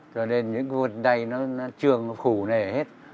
cho nên những vần tay nó trương phủ nề hết